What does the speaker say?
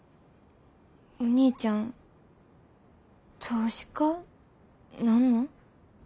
お兄ちゃん投資家なんの？